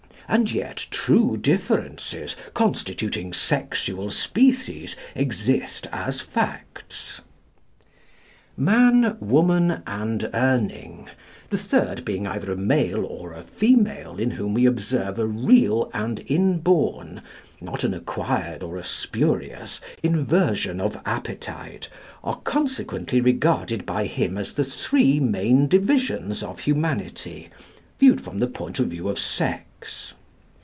And yet true differences, constituting sexual species, exist as facts." Man, Woman, and Urning the third being either a male or a female in whom we observe a real and inborn, not an acquired or a spurious, inversion of appetite are consequently regarded by him as the three main divisions of humanity viewed from the point of view of sex.